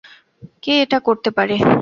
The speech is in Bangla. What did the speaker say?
কে এটা করতে পারে?